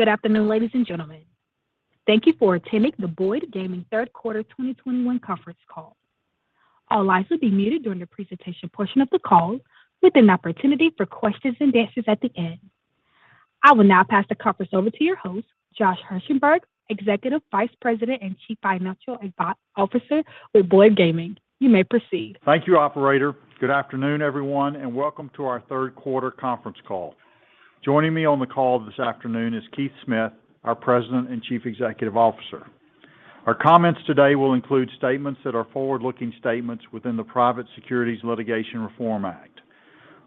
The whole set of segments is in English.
Good afternoon, ladies and gentlemen. Thank you for attending the Boyd Gaming third quarter 2021 conference call. All lines will be muted during the presentation portion of the call, with an opportunity for questions and answers at the end. I will now pass the conference over to your host, Josh Hirsberg, Executive Vice President and Chief Financial Officer with Boyd Gaming. You may proceed. Thank you, operator. Good afternoon, everyone, and welcome to our third quarter conference call. Joining me on the call this afternoon is Keith Smith, our President and Chief Executive Officer. Our comments today will include statements that are forward-looking statements within the Private Securities Litigation Reform Act.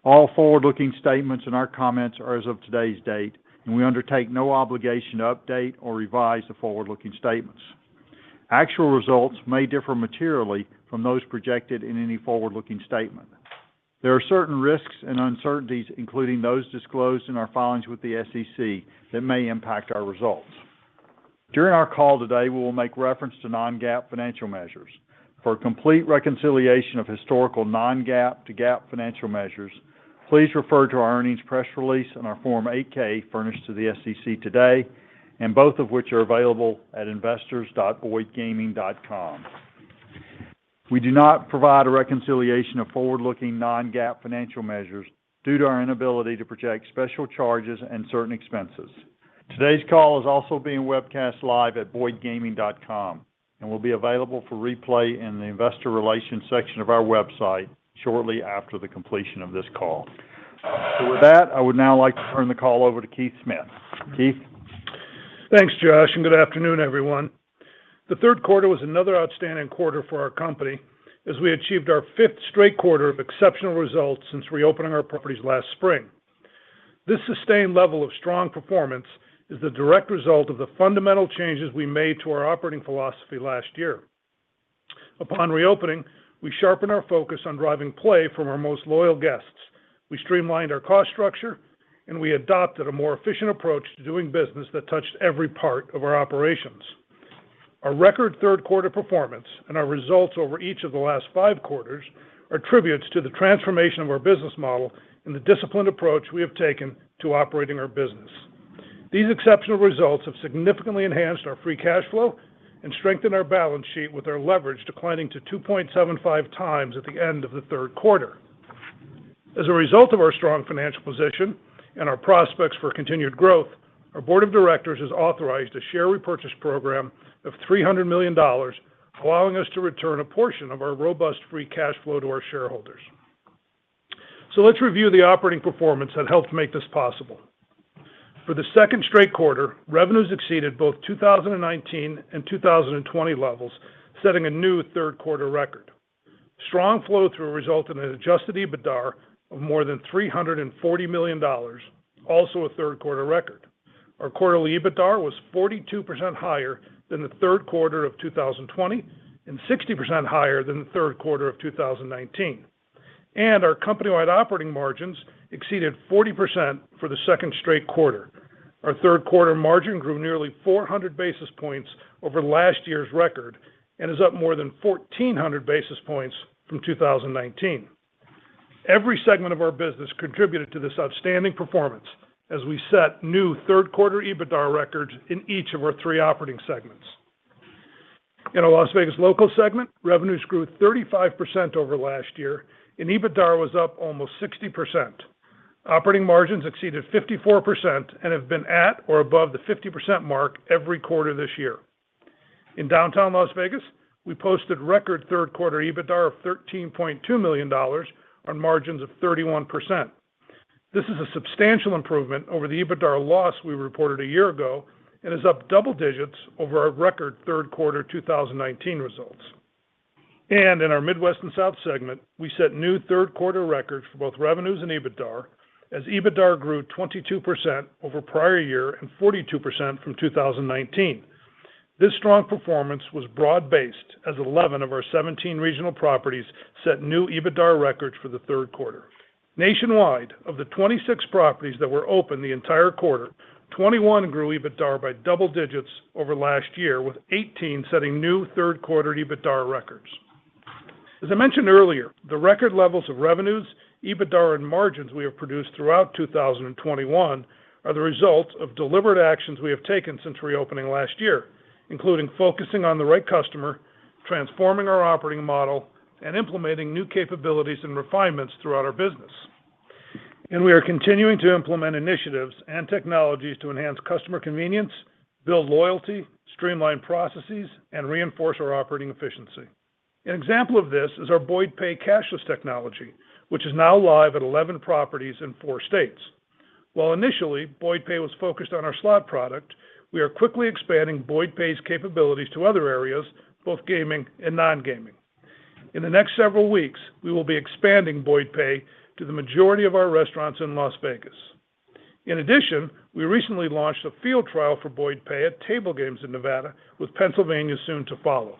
All forward-looking statements in our comments are as of today's date, and we undertake no obligation to update or revise the forward-looking statements. Actual results may differ materially from those projected in any forward-looking statement. There are certain risks and uncertainties, including those disclosed in our filings with the SEC that may impact our results. During our call today, we will make reference to non-GAAP financial measures. For a complete reconciliation of historical non-GAAP to GAAP financial measures, please refer to our earnings press release and our Form 8-K furnished to the SEC today, and both of which are available at investors.boydgaming.com. We do not provide a reconciliation of forward-looking non-GAAP financial measures due to our inability to project special charges and certain expenses. Today's call is also being webcast live at boydgaming.com and will be available for replay in the investor relations section of our website shortly after the completion of this call. With that, I would now like to turn the call over to Keith Smith. Keith? Thanks, Josh, and good afternoon, everyone. The third quarter was another outstanding quarter for our company as we achieved our fifth straight quarter of exceptional results since reopening our properties last spring. This sustained level of strong performance is the direct result of the fundamental changes we made to our operating philosophy last year. Upon reopening, we sharpened our focus on driving play from our most loyal guests. We streamlined our cost structure, and we adopted a more efficient approach to doing business that touched every part of our operations. Our record third quarter performance and our results over each of the last five quarters are tributes to the transformation of our business model and the disciplined approach we have taken to operating our business. These exceptional results have significantly enhanced our free cash flow and strengthened our balance sheet with our leverage declining to 2.75 times at the end of the third quarter. As a result of our strong financial position and our prospects for continued growth, our board of directors has authorized a share repurchase program of $300 million, allowing us to return a portion of our robust free cash flow to our shareholders. Let's review the operating performance that helped make this possible. For the second straight quarter, revenues exceeded both 2019 and 2020 levels, setting a new third quarter record. Strong flow-through resulted in adjusted EBITDA of more than $340 million, also a third quarter record. Our quarterly EBITDA was 42% higher than the third quarter of 2020 and 60% higher than the third quarter of 2019. Our company-wide operating margins exceeded 40% for the second straight quarter. Our third quarter margin grew nearly 400 basis points over last year's record and is up more than 1,400 basis points from 2019. Every segment of our business contributed to this outstanding performance as we set new third quarter EBITDA records in each of our three operating segments. In our Las Vegas Local segment, revenues grew 35% over last year, and EBITDA was up almost 60%. Operating margins exceeded 54% and have been at or above the 50% mark every quarter this year. In Downtown Las Vegas, we posted record third quarter EBITDA of $13.2 million on margins of 31%. This is a substantial improvement over the EBITDA loss we reported a year ago and is up double digits over our record third quarter 2019 results. In our Midwest and South Segment, we set new third quarter records for both revenues and EBITDA as EBITDA grew 22% over prior year and 42% from 2019. This strong performance was broad-based as 11 of our 17 regional properties set new EBITDA records for the third quarter. Nationwide, of the 26 properties that were open the entire quarter, 21 grew EBITDA by double digits over last year, with 18 setting new third quarter EBITDA records. As I mentioned earlier, the record levels of revenues, EBITDA, and margins we have produced throughout 2021 are the result of deliberate actions we have taken since reopening last year, including focusing on the right customer, transforming our operating model, and implementing new capabilities and refinements throughout our business. We are continuing to implement initiatives and technologies to enhance customer convenience, build loyalty, streamline processes, and reinforce our operating efficiency. An example of this is our Boyd Pay cashless technology, which is now live at 11 properties in four states. While initially, Boyd Pay was focused on our slot product, we are quickly expanding Boyd Pay's capabilities to other areas, both gaming and non-gaming. In the next several weeks, we will be expanding Boyd Pay to the majority of our restaurants in Las Vegas. In addition, we recently launched a field trial for Boyd Pay at table games in Nevada, with Pennsylvania soon to follow.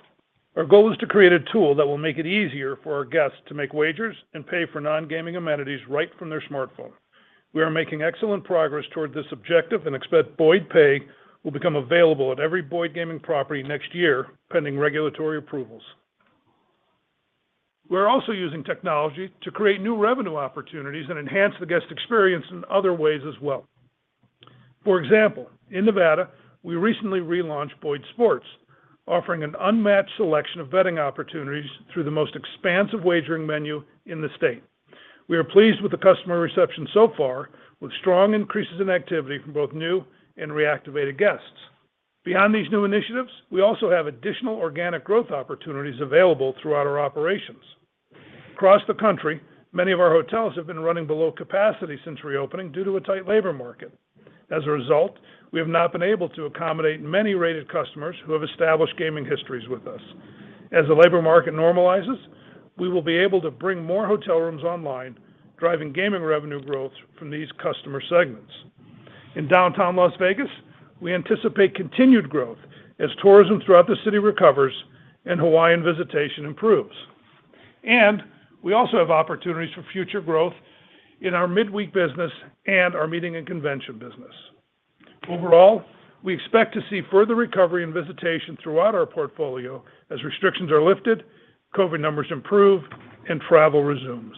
Our goal is to create a tool that will make it easier for our guests to make wagers and pay for non-gaming amenities right from their smartphone. We are making excellent progress toward this objective and expect Boyd Pay will become available at every Boyd Gaming property next year, pending regulatory approvals. We're also using technology to create new revenue opportunities and enhance the guest experience in other ways as well. For example, in Nevada, we recently relaunched Boyd Sports, offering an unmatched selection of betting opportunities through the most expansive wagering menu in the state. We are pleased with the customer reception so far, with strong increases in activity from both new and reactivated guests. Beyond these new initiatives, we also have additional organic growth opportunities available throughout our operations. Across the country, many of our hotels have been running below capacity since reopening due to a tight labor market. As a result, we have not been able to accommodate many rated customers who have established gaming histories with us. As the labor market normalizes, we will be able to bring more hotel rooms online, driving gaming revenue growth from these customer segments. In downtown Las Vegas, we anticipate continued growth as tourism throughout the city recovers and Hawaiian visitation improves. We also have opportunities for future growth in our midweek business and our meeting and convention business. Overall, we expect to see further recovery in visitation throughout our portfolio as restrictions are lifted, COVID numbers improve, and travel resumes.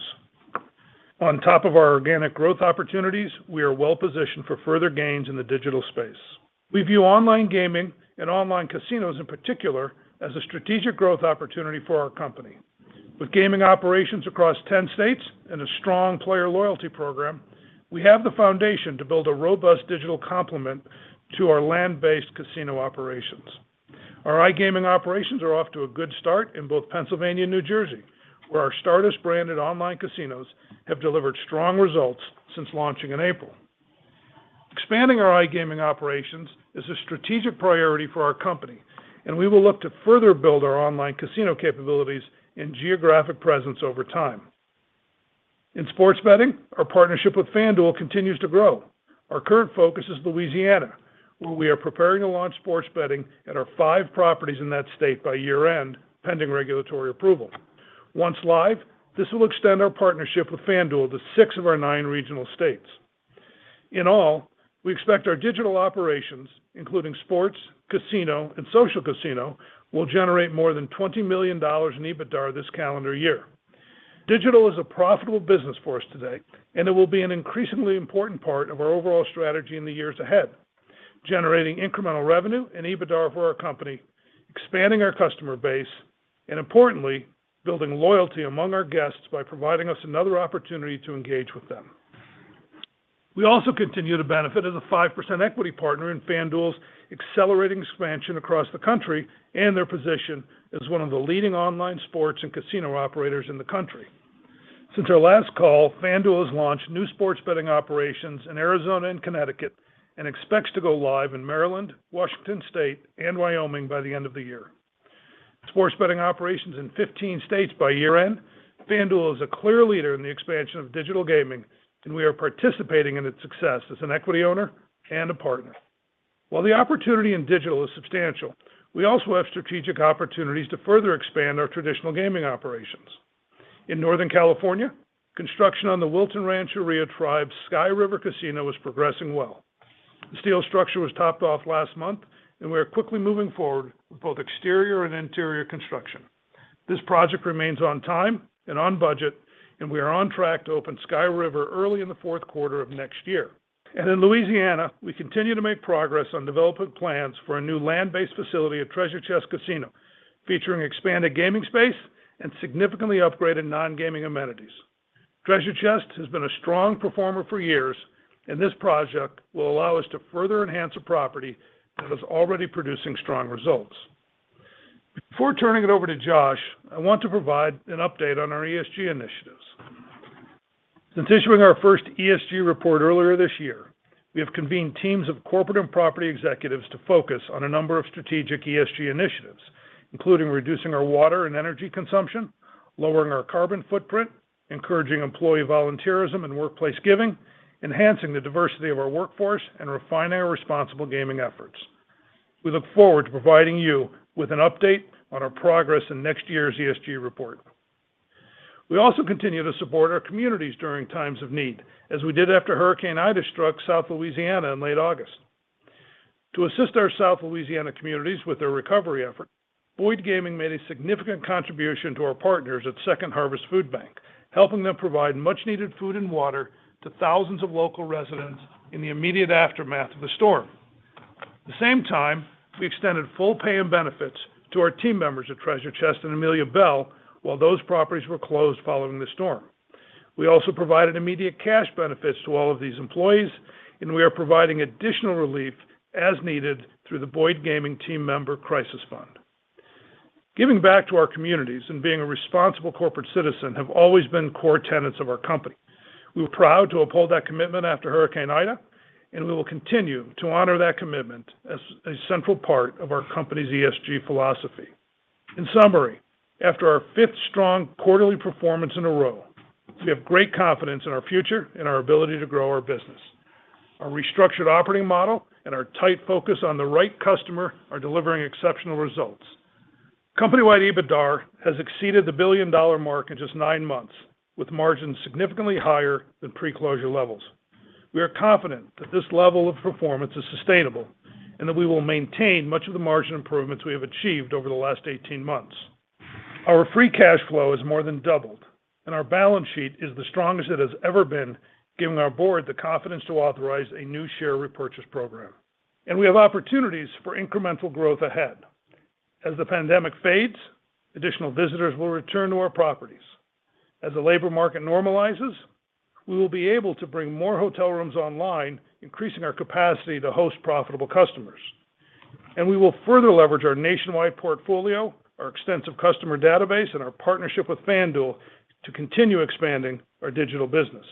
On top of our organic growth opportunities, we are well positioned for further gains in the digital space. We view online gaming and online casinos in particular as a strategic growth opportunity for our company. With gaming operations across 10 states and a strong player loyalty program, we have the foundation to build a robust digital complement to our land-based casino operations. Our iGaming operations are off to a good start in both Pennsylvania and New Jersey, where our Stardust branded online casinos have delivered strong results since launching in April. Expanding our iGaming operations is a strategic priority for our company, and we will look to further build our online casino capabilities and geographic presence over time. In sports betting, our partnership with FanDuel continues to grow. Our current focus is Louisiana, where we are preparing to launch sports betting at our five properties in that state by year-end, pending regulatory approval. Once live, this will extend our partnership with FanDuel to six of our nine regional states. In all, we expect our digital operations, including sports, casino, and social casino, will generate more than $20 million in EBITDA this calendar year. Digital is a profitable business for us today, and it will be an increasingly important part of our overall strategy in the years ahead, generating incremental revenue and EBITDA for our company, expanding our customer base, and importantly, building loyalty among our guests by providing us another opportunity to engage with them. We also continue to benefit as a 5% equity partner in FanDuel's accelerating expansion across the country and their position as one of the leading online sports and casino operators in the country. Since our last call, FanDuel has launched new sports betting operations in Arizona and Connecticut and expects to go live in Maryland, Washington State, and Wyoming by the end of the year. With sports betting operations in 15 states by year-end, FanDuel is a clear leader in the expansion of digital gaming, and we are participating in its success as an equity owner and a partner. While the opportunity in digital is substantial, we also have strategic opportunities to further expand our traditional gaming operations. In Northern California, construction on the Wilton Rancheria Tribe's Sky River Casino is progressing well. The steel structure was topped off last month, and we are quickly moving forward with both exterior and interior construction. This project remains on time and on budget, and we are on track to open Sky River early in the fourth quarter of next year. In Louisiana, we continue to make progress on development plans for a new land-based facility at Treasure Chest Casino, featuring expanded gaming space and significantly upgraded non-gaming amenities. Treasure Chest has been a strong performer for years, and this project will allow us to further enhance a property that is already producing strong results. Before turning it over to Josh, I want to provide an update on our ESG initiatives. Since issuing our first ESG report earlier this year, we have convened teams of corporate and property executives to focus on a number of strategic ESG initiatives, including reducing our water and energy consumption, lowering our carbon footprint, encouraging employee volunteerism and workplace giving, enhancing the diversity of our workforce, and refining our responsible gaming efforts. We look forward to providing you with an update on our progress in next year's ESG report. We also continue to support our communities during times of need, as we did after Hurricane Ida struck South Louisiana in late August. To assist our South Louisiana communities with their recovery effort, Boyd Gaming made a significant contribution to our partners at Second Harvest Food Bank, helping them provide much-needed food and water to thousands of local residents in the immediate aftermath of the storm. At the same time, we extended full pay and benefits to our team members at Treasure Chest and Amelia Belle while those properties were closed following the storm. We also provided immediate cash benefits to all of these employees, and we are providing additional relief as needed through the Boyd Gaming Team Member Crisis Fund. Giving back to our communities and being a responsible corporate citizen have always been core tenets of our company. We were proud to uphold that commitment after Hurricane Ida, and we will continue to honor that commitment as a central part of our company's ESG philosophy. In summary, after our fifth strong quarterly performance in a row, we have great confidence in our future and our ability to grow our business. Our restructured operating model and our tight focus on the right customer are delivering exceptional results. Company-wide EBITDA has exceeded the $1 billion mark in just nine months, with margins significantly higher than pre-closure levels. We are confident that this level of performance is sustainable and that we will maintain much of the margin improvements we have achieved over the last 18 months. Our free cash flow has more than doubled, and our balance sheet is the strongest it has ever been, giving our board the confidence to authorize a new share repurchase program. We have opportunities for incremental growth ahead. As the pandemic fades, additional visitors will return to our properties. As the labor market normalizes, we will be able to bring more hotel rooms online, increasing our capacity to host profitable customers. We will further leverage our nationwide portfolio, our extensive customer database, and our partnership with FanDuel to continue expanding our digital business.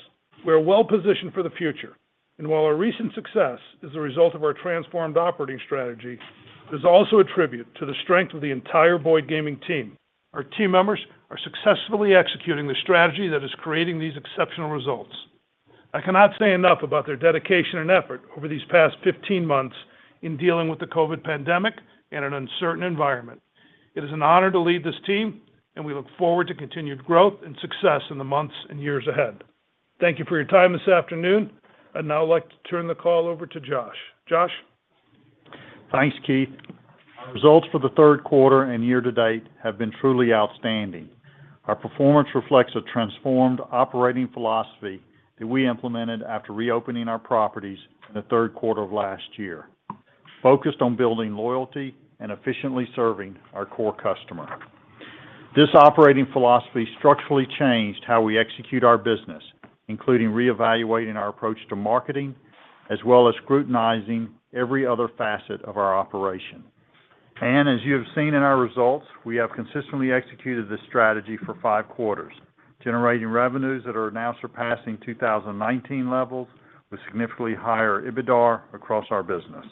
We are well-positioned for the future, and while our recent success is the result of our transformed operating strategy, it is also a tribute to the strength of the entire Boyd Gaming team. Our team members are successfully executing the strategy that is creating these exceptional results. I cannot say enough about their dedication and effort over these past 15 months in dealing with the COVID pandemic in an uncertain environment. It is an honor to lead this team, and we look forward to continued growth and success in the months and years ahead. Thank you for your time this afternoon. I'd now like to turn the call over to Josh. Josh? Thanks, Keith. Our results for the third quarter and year to date have been truly outstanding. Our performance reflects a transformed operating philosophy that we implemented after reopening our properties in the third quarter of last year, focused on building loyalty and efficiently serving our core customer. This operating philosophy structurally changed how we execute our business, including reevaluating our approach to marketing, as well as scrutinizing every other facet of our operation. As you have seen in our results, we have consistently executed this strategy for five quarters, generating revenues that are now surpassing 2019 levels with significantly higher EBITDAR across our business.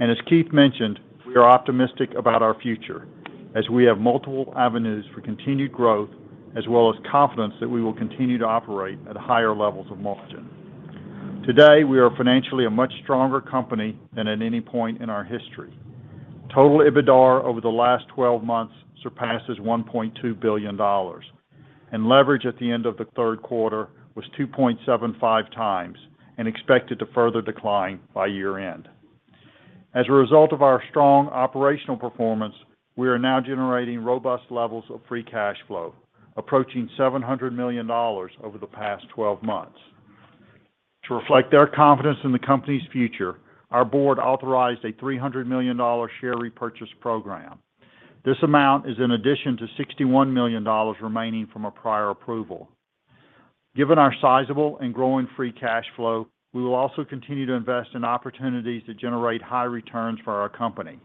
As Keith mentioned, we are optimistic about our future as we have multiple avenues for continued growth, as well as confidence that we will continue to operate at higher levels of margin. Today, we are financially a much stronger company than at any point in our history. Total EBITDAR over the last 12 months surpasses $1.2 billion, and leverage at the end of the third quarter was 2.75 times and expected to further decline by year-end. As a result of our strong operational performance, we are now generating robust levels of free cash flow, approaching $700 million over the past 12 months. To reflect our confidence in the company's future, our board authorized a $300 million share repurchase program. This amount is in addition to $61 million remaining from a prior approval. Given our sizable and growing free cash flow, we will also continue to invest in opportunities to generate high returns for our company.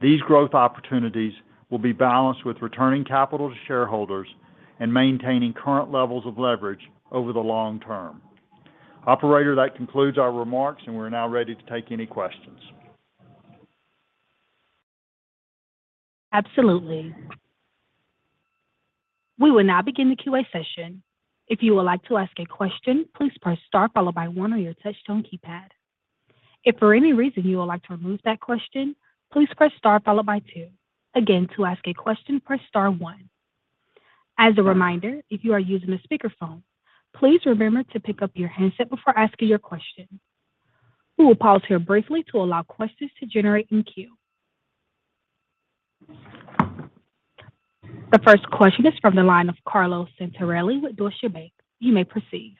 These growth opportunities will be balanced with returning capital to shareholders and maintaining current levels of leverage over the long term. Operator, that concludes our remarks, and we're now ready to take any questions. Absolutely. We will now begin the Q&A session. If you would like to ask a question, please press star followed by one on your touch tone keypad. If for any reason you would like to remove that question, please press star followed by two. Again, to ask a question, press star one. As a reminder, if you are using a speakerphone, please remember to pick up your handset before asking your question. We will pause here briefly to allow questions to generate in queue. The first question is from the line of Carlo Santarelli with Deutsche Bank. You may proceed.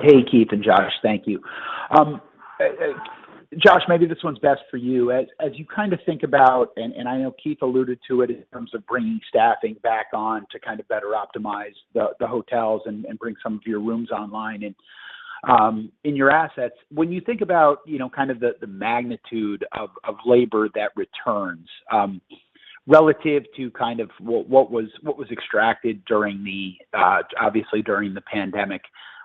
Hey, Keith and Josh. Thank you. Josh, maybe this one's best for you. As you kind of think about, and I know Keith alluded to it in terms of bringing staffing back on to kind of better optimize the hotels and bring some of your rooms online and in your assets, when you think about, you know, kind of the magnitude of labor that returns relative to kind of what was extracted during the, obviously, during the pandemic,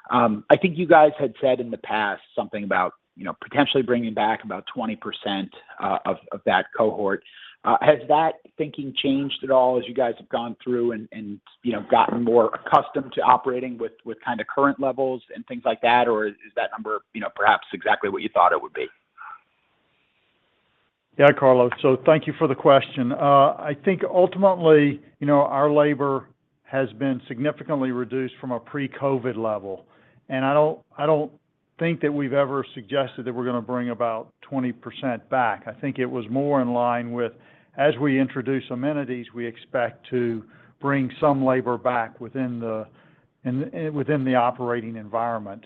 I think you guys had said in the past something about, you know, potentially bringing back about 20% of that cohort. Has that thinking changed at all as you guys have gone through and, you know, gotten more accustomed to operating with kind of current levels and things like that? Is that number, you know, perhaps exactly what you thought it would be? Yeah, Carlo. Thank you for the question. I think ultimately, you know, our labor has been significantly reduced from a pre-COVID level. I don't think that we've ever suggested that we're gonna bring about 20% back. I think it was more in line with, as we introduce amenities, we expect to bring some labor back within the operating environment.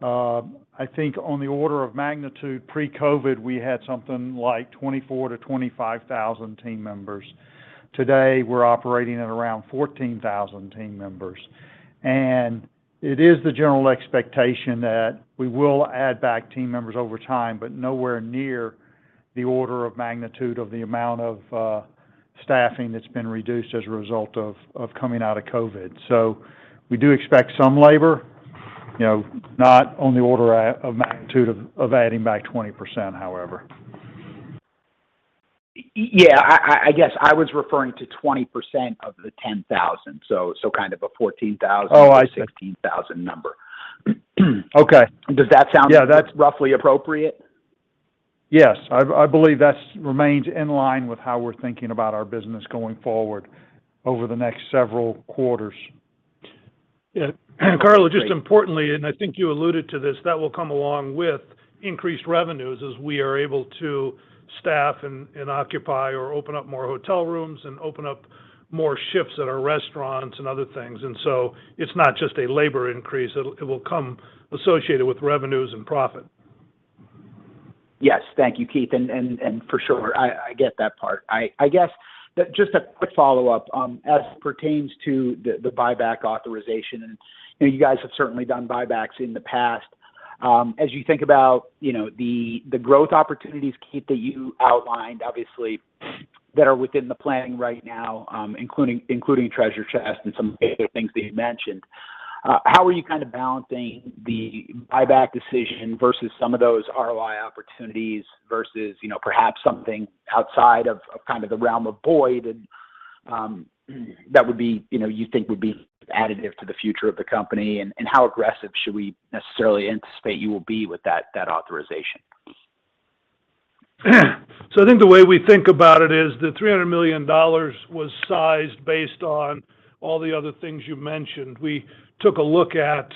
I think on the order of magnitude pre-COVID, we had something like 24,000-25,000 team members. Today, we're operating at around 14,000 team members. It is the general expectation that we will add back team members over time, but nowhere near the order of magnitude of the amount of staffing that's been reduced as a result of coming out of COVID. We do expect some labor, you know, not on the order of magnitude of adding back 20%, however. Yeah, I guess I was referring to 20% of the 10,000, so kind of a 14,000- Oh, I see. or 16,000 number. Okay. Does that sound- Yeah, that. roughly appropriate? Yes, I believe that remains in line with how we're thinking about our business going forward over the next several quarters. Yeah. Carlo, just importantly, and I think you alluded to this, that will come along with increased revenues as we are able to staff and occupy or open up more hotel rooms and open up more shifts at our restaurants and other things. It's not just a labor increase, it will come associated with revenues and profit. Yes. Thank you, Keith. For sure, I get that part. I guess just a quick follow-up as pertains to the buyback authorization, and you know, you guys have certainly done buybacks in the past. As you think about you know, the growth opportunities, Keith, that you outlined, obviously, that are within the planning right now, including Treasure Chest and some other things that you mentioned, how are you kind of balancing the buyback decision versus some of those ROI opportunities versus, you know, perhaps something outside of kind of the realm of Boyd and that would be, you know, you think would be additive to the future of the company? How aggressive should we necessarily anticipate you will be with that authorization? I think the way we think about it is the $300 million was sized based on all the other things you mentioned. We took a look at,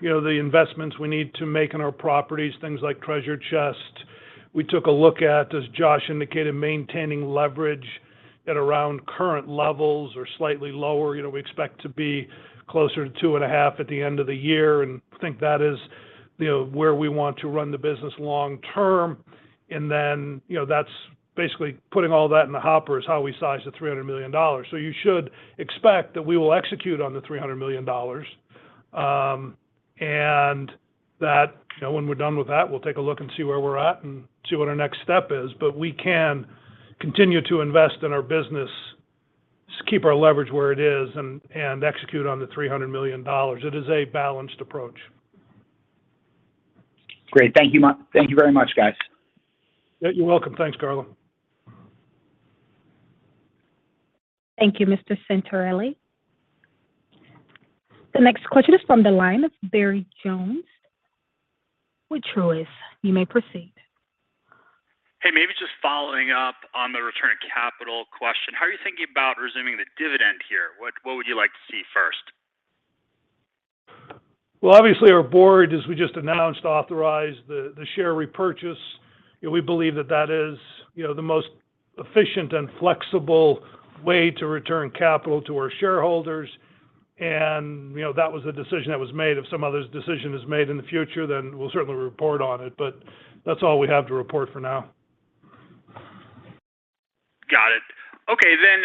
you know, the investments we need to make in our properties, things like Treasure Chest. We took a look at, as Josh indicated, maintaining leverage at around current levels or slightly lower. You know, we expect to be closer to 2.5 at the end of the year, and think that is, you know, where we want to run the business long term. You know, that's basically putting all that in the hopper is how we size the $300 million. You should expect that we will execute on the $300 million, and that, you know, when we're done with that, we'll take a look and see where we're at and see what our next step is. We can continue to invest in our business, keep our leverage where it is and execute on the $300 million. It is a balanced approach. Great. Thank you very much, guys. You're welcome. Thanks, Carlo. Thank you, Mr. Santarelli. The next question is from the line of Barry Jonas with Truist. You may proceed. Hey, maybe just following up on the return of capital question. How are you thinking about resuming the dividend here? What would you like to see first? Well, obviously our board, as we just announced, authorized the share repurchase. We believe that is, you know, the most efficient and flexible way to return capital to our shareholders. You know, that was the decision that was made. If some other decision is made in the future, then we'll certainly report on it. That's all we have to report for now. Got it. Okay, then,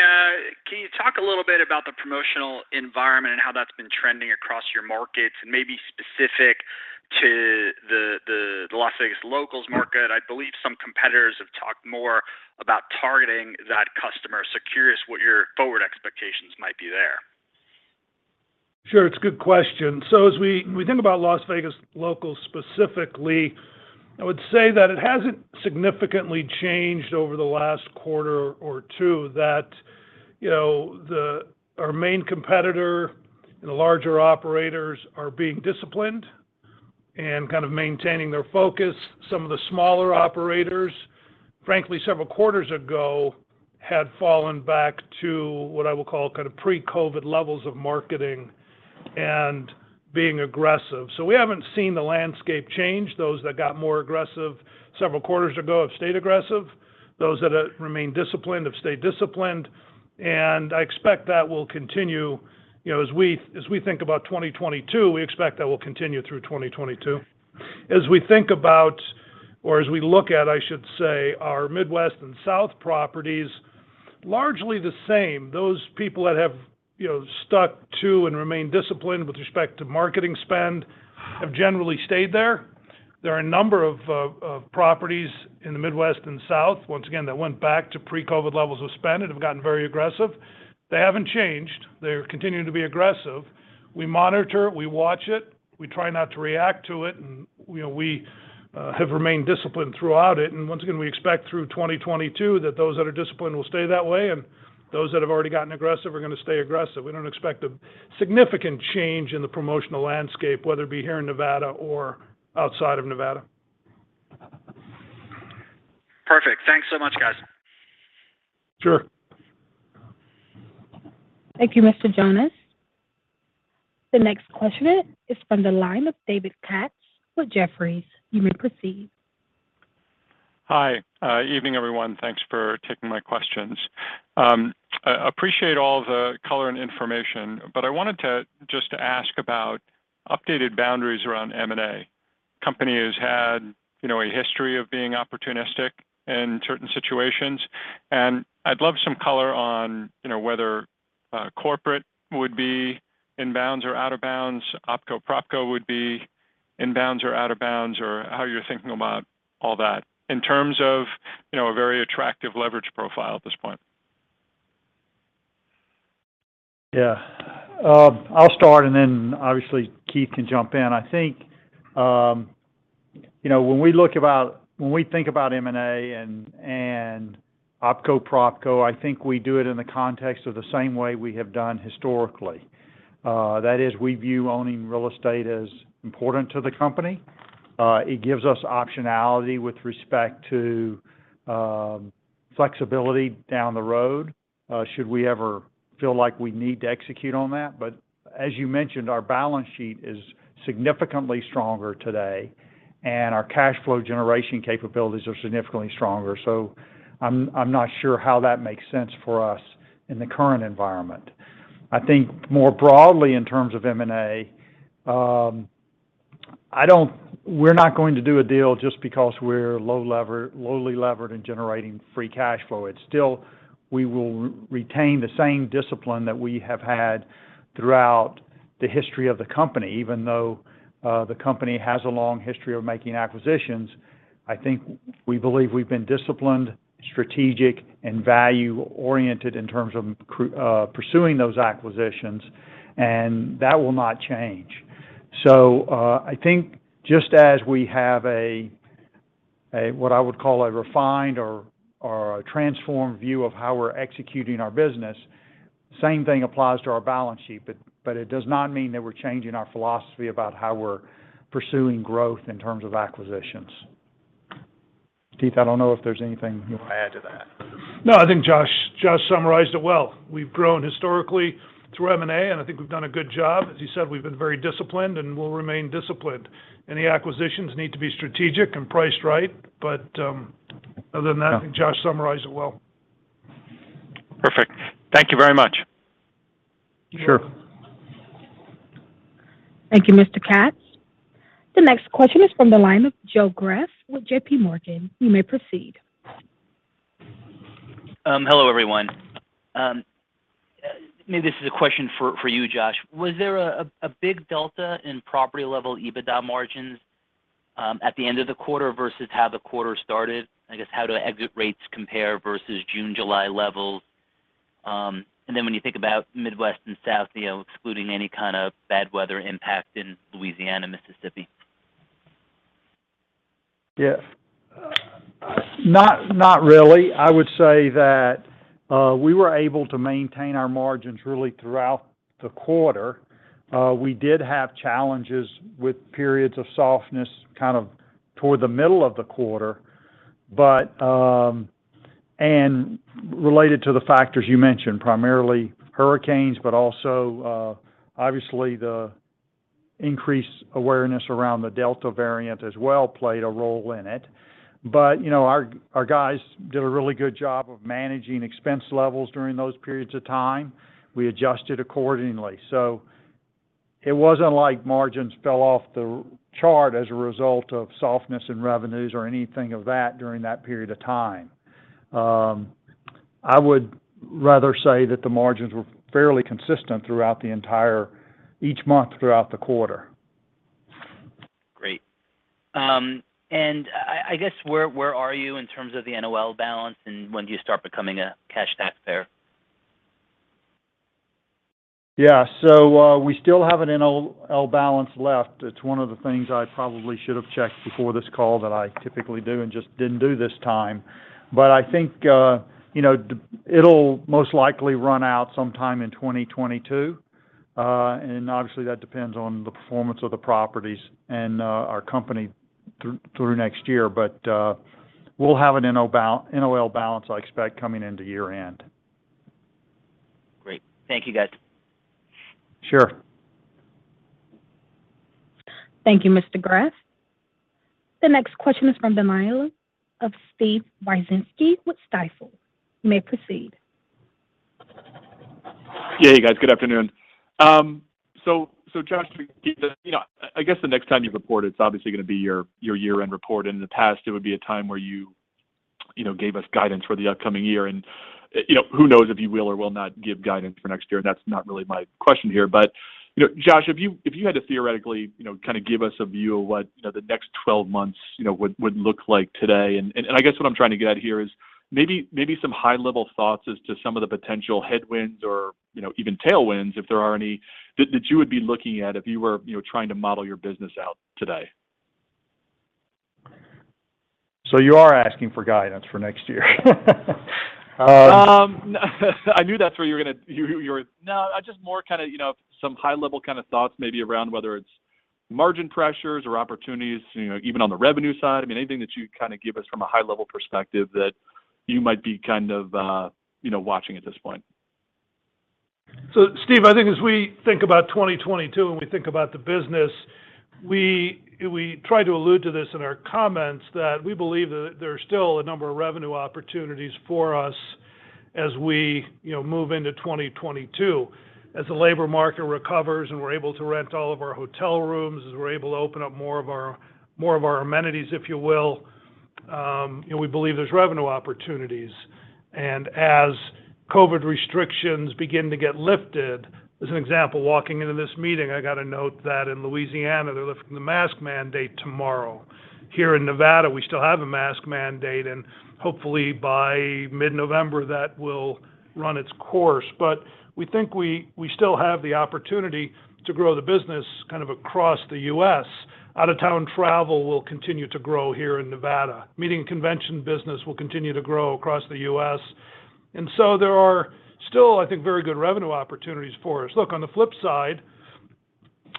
can you talk a little bit about the promotional environment and how that's been trending across your markets and maybe specific to the Las Vegas locals market? I believe some competitors have talked more about targeting that customer, so curious what your forward expectations might be there. Sure. It's a good question. As we think about Las Vegas locals specifically, I would say that it hasn't significantly changed over the last quarter or two, that you know, our main competitor and the larger operators are being disciplined and kind of maintaining their focus. Some of the smaller operators, frankly, several quarters ago, had fallen back to what I will call kind of pre-COVID levels of marketing and being aggressive. We haven't seen the landscape change. Those that got more aggressive several quarters ago have stayed aggressive. Those that have remained disciplined have stayed disciplined. I expect that will continue. You know, as we think about 2022, we expect that will continue through 2022. As we look at, I should say, our Midwest and South properties, largely the same. Those people that have, you know, stuck to and remained disciplined with respect to marketing spend have generally stayed there. There are a number of properties in the Midwest and South, once again, that went back to pre-COVID levels of spend and have gotten very aggressive. They haven't changed. They're continuing to be aggressive. We monitor, we watch it, we try not to react to it, and, you know, we have remained disciplined throughout it. Once again, we expect through 2022 that those that are disciplined will stay that way, and those that have already gotten aggressive are gonna stay aggressive. We don't expect a significant change in the promotional landscape, whether it be here in Nevada or outside of Nevada. Perfect. Thanks so much, guys. Sure. Thank you, Mr. Jonas. The next question is from the line of David Katz with Jefferies. You may proceed. Hi. Evening, everyone. Thanks for taking my questions. I appreciate all the color and information, but I wanted to just ask about updated boundaries around M&A. Company has had, you know, a history of being opportunistic in certain situations, and I'd love some color on, you know, whether corporate would be in bounds or out of bounds, OpCo, PropCo would be in bounds or out of bounds, or how you're thinking about all that in terms of, you know, a very attractive leverage profile at this point. Yeah. I'll start, and then obviously Keith can jump in. I think, you know, when we think about M&A and OpCo, PropCo, I think we do it in the context of the same way we have done historically. That is, we view owning real estate as important to the company. It gives us optionality with respect to flexibility down the road, should we ever feel like we need to execute on that. But as you mentioned, our balance sheet is significantly stronger today, and our cash flow generation capabilities are significantly stronger. I'm not sure how that makes sense for us in the current environment. I think more broadly, in terms of M&A, we're not going to do a deal just because we're lowly levered in generating free cash flow. It's still we will retain the same discipline that we have had throughout the history of the company. Even though the company has a long history of making acquisitions, I think we believe we've been disciplined, strategic, and value-oriented in terms of pursuing those acquisitions, and that will not change. I think just as we have a what I would call a refined or a transformed view of how we're executing our business, same thing applies to our balance sheet. It does not mean that we're changing our philosophy about how we're pursuing growth in terms of acquisitions. Keith, I don't know if there's anything you want to add to that. No, I think Josh summarized it well. We've grown historically through M&A, and I think we've done a good job. As you said, we've been very disciplined and will remain disciplined. Any acquisitions need to be strategic and priced right. Other than that- Yeah I think Josh summarized it well. Perfect. Thank you very much. Sure. Thank you, Mr. Katz. The next question is from the line of Joe Greff with JPMorgan. You may proceed. Hello, everyone. Maybe this is a question for you, Josh. Was there a big delta in property level EBITDA margins at the end of the quarter versus how the quarter started? I guess how do exit rates compare versus June, July levels? And then when you think about Midwest and South, you know, excluding any kind of bad weather impact in Louisiana, Mississippi. Yes. Not really. I would say that we were able to maintain our margins really throughout the quarter. We did have challenges with periods of softness kind of toward the middle of the quarter. Related to the factors you mentioned, primarily hurricanes, but also obviously the increased awareness around the Delta variant as well played a role in it. You know, our guys did a really good job of managing expense levels during those periods of time. We adjusted accordingly. It wasn't like margins fell off the chart as a result of softness in revenues or anything of that during that period of time. I would rather say that the margins were fairly consistent throughout the entire each month throughout the quarter. Great. I guess where are you in terms of the NOL balance, and when do you start becoming a cash taxpayer? Yeah. We still have an NOL balance left. It's one of the things I probably should have checked before this call that I typically do and just didn't do this time. I think, you know, it'll most likely run out sometime in 2022. Obviously, that depends on the performance of the properties and our company through next year. We'll have an NOL balance, I expect, coming into year-end. Great. Thank you, guys. Sure. Thank you, Mr. Greff. The next question is from the line of Steven Wieczynski with Stifel. You may proceed. Yeah, you guys. Good afternoon. So Josh, you know, I guess the next time you report, it's obviously gonna be your year-end report. In the past, it would be a time where, you know, gave us guidance for the upcoming year. You know, who knows if you will or will not give guidance for next year, that's not really my question here. You know, Josh, if you had to theoretically, you know, kind of give us a view of what, you know, the next 12 months, you know, would look like today. I guess what I'm trying to get at here is maybe some high level thoughts as to some of the potential headwinds or, you know, even tailwinds, if there are any, that you would be looking at if you were, you know, trying to model your business out today. You are asking for guidance for next year. No, I just more kind of, you know, some high level kind of thoughts maybe around whether it's margin pressures or opportunities, you know, even on the revenue side. I mean, anything that you kind of give us from a high level perspective that you might be kind of, you know, watching at this point. Steve, I think as we think about 2022, and we think about the business, we tried to allude to this in our comments, that we believe that there are still a number of revenue opportunities for us as we, you know, move into 2022. As the labor market recovers and we're able to rent all of our hotel rooms, as we're able to open up more of our amenities, if you will, you know, we believe there's revenue opportunities. As COVID restrictions begin to get lifted, as an example, walking into this meeting, I got a note that in Louisiana they're lifting the mask mandate tomorrow. Here in Nevada, we still have a mask mandate, and hopefully by mid-November, that will run its course. We think we still have the opportunity to grow the business kind of across the U.S. Out-of-town travel will continue to grow here in Nevada. Meeting convention business will continue to grow across the U.S. There are still, I think, very good revenue opportunities for us. Look, on the flip side,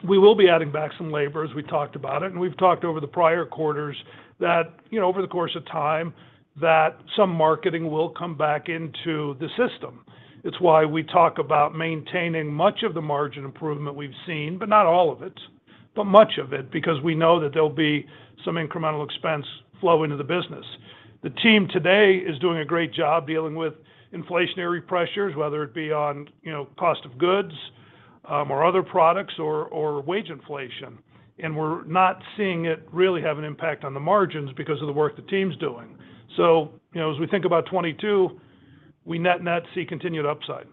we will be adding back some labor, as we talked about it. We've talked over the prior quarters that, you know, over the course of time that some marketing will come back into the system. It's why we talk about maintaining much of the margin improvement we've seen, but not all of it, but much of it, because we know that there'll be some incremental expense flow into the business. The team today is doing a great job dealing with inflationary pressures, whether it be on, you know, cost of goods, or other products or wage inflation. We're not seeing it really have an impact on the margins because of the work the team's doing. You know, as we think about 2022, we net net see continued upside.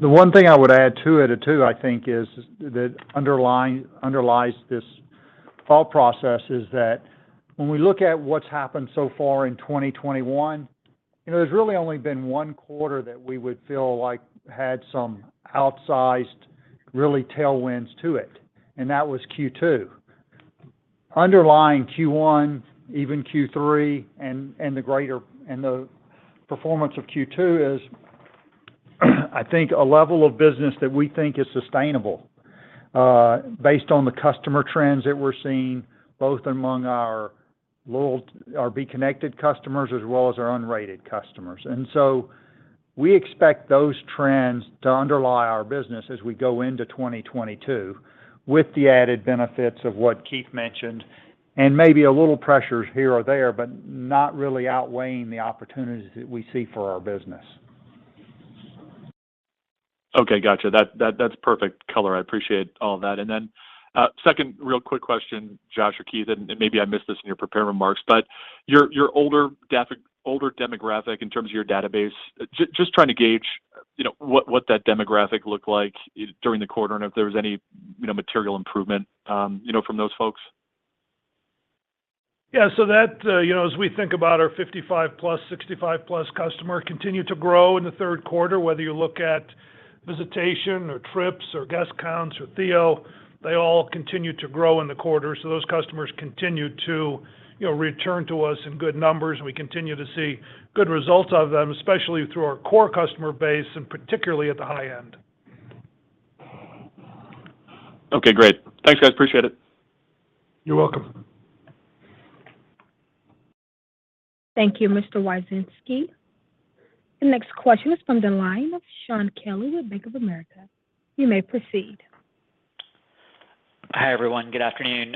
The one thing I would add to it, too, I think is that underlies this thought process is that when we look at what's happened so far in 2021, you know, there's really only been one quarter that we would feel like had some outsized, really tailwinds to it, and that was Q2. Underlying Q1, even Q3, and the performance of Q2 is, I think, a level of business that we think is sustainable, based on the customer trends that we're seeing, both among our B Connected customers as well as our unrated customers. We expect those trends to underlie our business as we go into 2022 with the added benefits of what Keith mentioned, and maybe a little pressures here or there, but not really outweighing the opportunities that we see for our business. Okay, got you. That's perfect color. I appreciate all that. Second real quick question, Josh or Keith, and maybe I missed this in your prepared remarks, but your older demographic in terms of your database, just trying to gauge, you know, what that demographic looked like during the quarter and if there was any, you know, material improvement, you know, from those folks. That, you know, as we think about our 55+, 65+ customer continue to grow in the third quarter, whether you look at visitation or trips or guest counts or Theo, they all continue to grow in the quarter. Those customers continue to, you know, return to us in good numbers, and we continue to see good results out of them, especially through our core customer base and particularly at the high end. Okay, great. Thanks, guys. Appreciate it. You're welcome. Thank you, Mr. Wieczynski. The next question is from the line of Shaun Kelley with Bank of America. You may proceed. Hi, everyone. Good afternoon.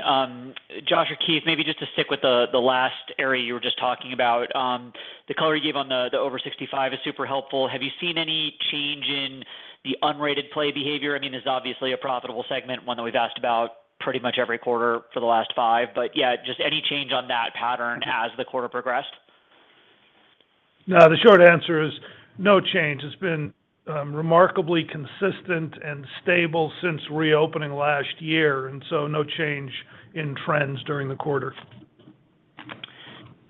Josh or Keith, maybe just to stick with the last area you were just talking about. The color you gave on the over sixty-five is super helpful. Have you seen any change in the unrated play behavior? I mean, it's obviously a profitable segment, one that we've asked about pretty much every quarter for the last five. But yeah, just any change on that pattern as the quarter progressed? No, the short answer is no change. It's been remarkably consistent and stable since reopening last year, and so no change in trends during the quarter.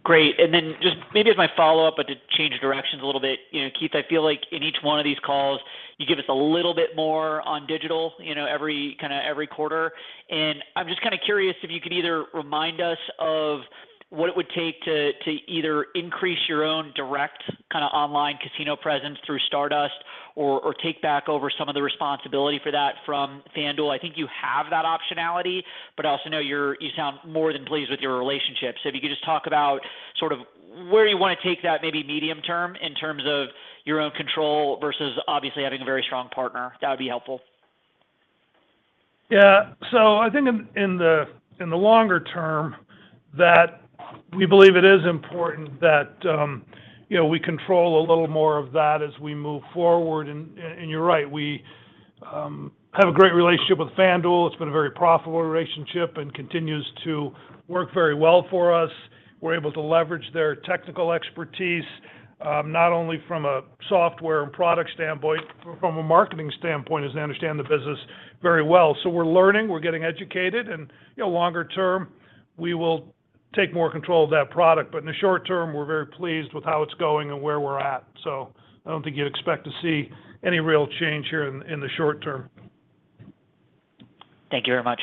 Great. Just maybe as my follow-up, but to change directions a little bit, you know, Keith, I feel like in each one of these calls, you give us a little bit more on digital, you know, every kind of every quarter. I'm just kind of curious if you could either remind us of what it would take to either increase your own direct kind of online casino presence through Stardust or take back over some of the responsibility for that from FanDuel. I think you have that optionality, but I also know you sound more than pleased with your relationship. If you could just talk about sort of where you want to take that maybe medium-term in terms of your own control versus obviously having a very strong partner, that would be helpful. Yeah. I think in the longer term that we believe it is important that, you know, we control a little more of that as we move forward. You're right, we have a great relationship with FanDuel. It's been a very profitable relationship and continues to work very well for us. We're able to leverage their technical expertise, not only from a software and product standpoint, but from a marketing standpoint, as they understand the business very well. We're learning, we're getting educated, and, you know, longer term, we will take more control of that product. In the short term, we're very pleased with how it's going and where we're at. I don't think you'd expect to see any real change here in the short term. Thank you very much.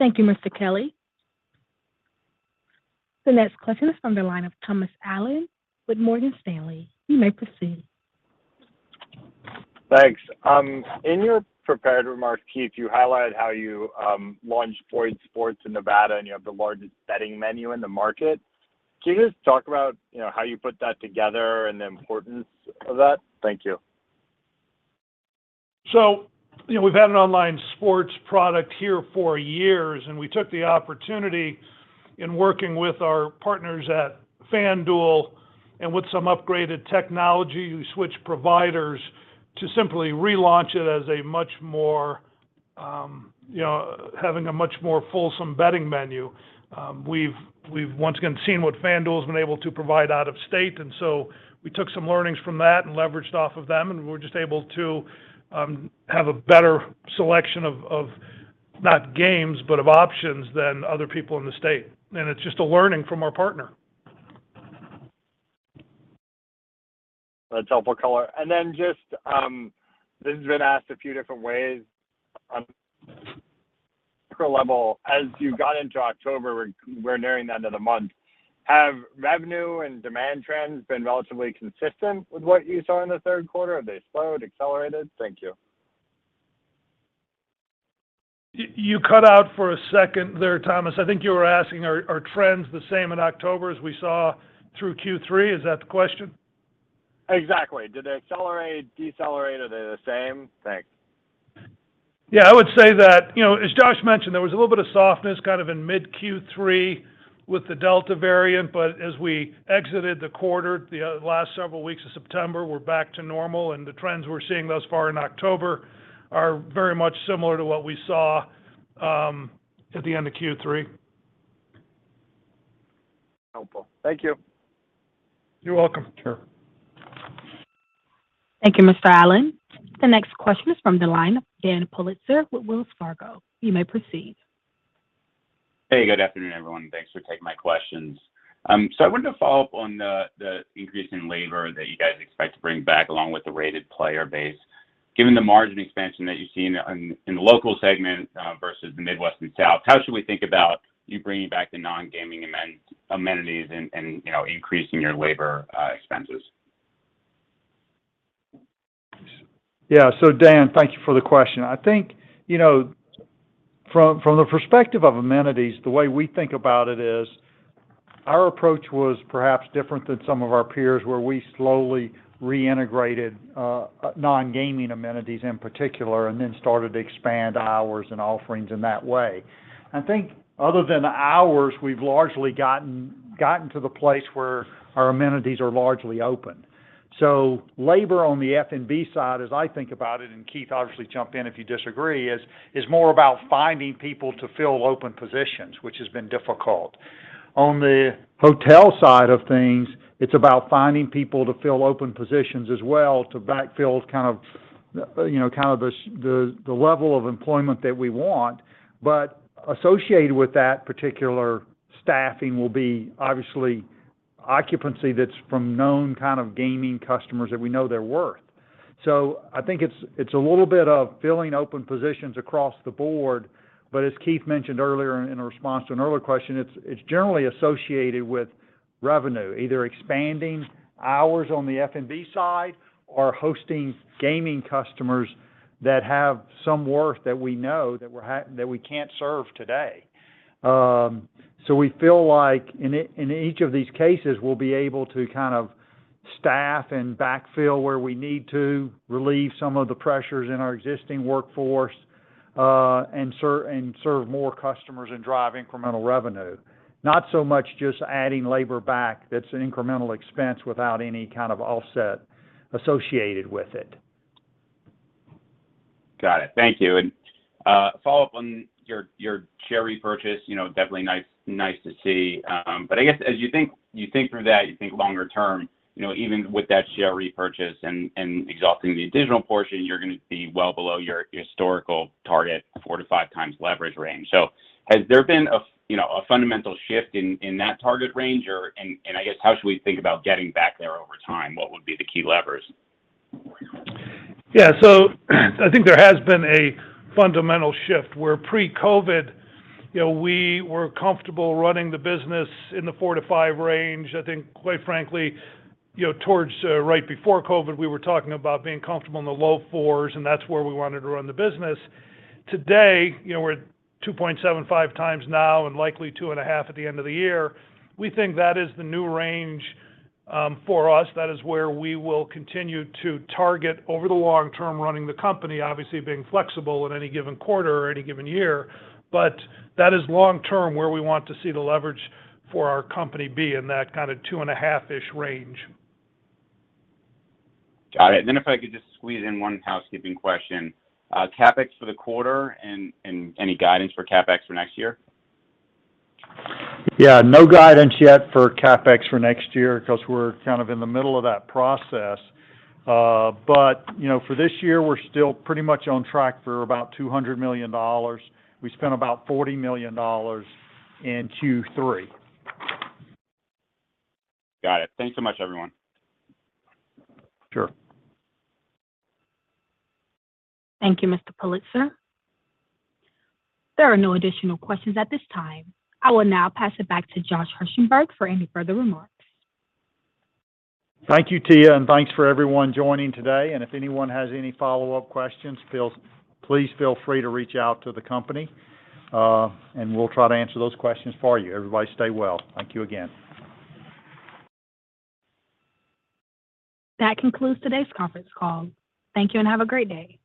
Thank you, Mr. Kelly. The next question is from the line of Thomas Allen with Morgan Stanley. You may proceed. Thanks. In your prepared remarks, Keith, you highlighted how you launched Boyd Sports in Nevada, and you have the largest betting menu in the market. Can you just talk about, you know, how you put that together and the importance of that? Thank you. You know, we've had an online sports product here for years, and we took the opportunity in working with our partners at FanDuel and with some upgraded technology, we switched providers to simply relaunch it as a much more, you know, having a much more fulsome betting menu. We've once again seen what FanDuel has been able to provide out of state, and so we took some learnings from that and leveraged off of them, and we're just able to have a better selection of options than other people in the state. It's just a learning from our partner. That's helpful color. Then just, this has been asked a few different ways on property level. As you got into October, we're nearing the end of the month. Have revenue and demand trends been relatively consistent with what you saw in the third quarter? Have they slowed, accelerated? Thank you. You cut out for a second there, Thomas. I think you were asking are trends the same in October as we saw through Q3? Is that the question? Exactly. Did they accelerate, decelerate? Are they the same? Thanks. Yeah, I would say that, you know, as Josh mentioned, there was a little bit of softness kind of in mid Q3 with the Delta variant. As we exited the quarter, the last several weeks of September, we're back to normal. The trends we're seeing thus far in October are very much similar to what we saw at the end of Q3. Helpful. Thank you. You're welcome. Sure. Thank you, Mr. Allen. The next question is from the line of Daniel Politzer with Wells Fargo. You may proceed. Hey, good afternoon, everyone, and thanks for taking my questions. I wanted to follow up on the increase in labor that you guys expect to bring back along with the rated player base. Given the margin expansion that you've seen in the local segment versus the Midwest and South, how should we think about you bringing back the non-gaming amenities and, you know, increasing your labor expenses? Yeah. Dan, thank you for the question. I think, you know, from the perspective of amenities, the way we think about it is our approach was perhaps different than some of our peers, where we slowly reintegrated non-gaming amenities in particular and then started to expand hours and offerings in that way. I think other than the hours, we've largely gotten to the place where our amenities are largely open. Labor on the F&B side, as I think about it, and Keith obviously jump in if you disagree, is more about finding people to fill open positions, which has been difficult. On the hotel side of things, it's about finding people to fill open positions as well to backfill kind of, you know, the level of employment that we want. Associated with that particular staffing will be obviously occupancy that's from known kind of gaming customers that we know their worth. I think it's a little bit of filling open positions across the board, but as Keith mentioned earlier in a response to an earlier question, it's generally associated with revenue, either expanding hours on the F&B side or hosting gaming customers that have some worth that we know that we can't serve today. We feel like in each of these cases, we'll be able to kind of staff and backfill where we need to, relieve some of the pressures in our existing workforce, and serve more customers and drive incremental revenue. Not so much just adding labor back, that's an incremental expense without any kind of offset associated with it. Got it. Thank you. Follow-up on your share repurchase, you know, definitely nice to see. But I guess as you think through that, you think longer term, you know, even with that share repurchase and exhausting the additional portion, you're gonna be well below your historical target of four-five times leverage range. Has there been a fundamental shift in that target range? Or I guess how should we think about getting back there over time? What would be the key levers? Yeah. I think there has been a fundamental shift, where pre-COVID, you know, we were comfortable running the business in the four-five range. I think, quite frankly, you know, towards right before COVID, we were talking about being comfortable in the low 4s, and that's where we wanted to run the business. Today, you know, we're 2.75 times now and likely 2.5 at the end of the year. We think that is the new range for us. That is where we will continue to target over the long term running the company, obviously being flexible in any given quarter or any given year. That is long term, where we want to see the leverage for our company be in that kind of 2.5-ish range. Got it. If I could just squeeze in one housekeeping question. CapEx for the quarter and any guidance for CapEx for next year? Yeah. No guidance yet for CapEx for next year, because we're kind of in the middle of that process. You know, for this year, we're still pretty much on track for about $200 million. We spent about $40 million in Q3. Got it. Thanks so much, everyone. Sure. Thank you, Mr. Politzer. There are no additional questions at this time. I will now pass it back to Josh Hirsberg for any further remarks. Thank you, Tia, and thanks for everyone joining today. If anyone has any follow-up questions, please feel free to reach out to the company, and we'll try to answer those questions for you. Everybody stay well. Thank you again. That concludes today's conference call. Thank you and have a great day.